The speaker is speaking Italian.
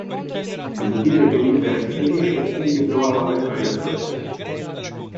Nell'udire che Elisa era infelice, egli provava la gioia crudele.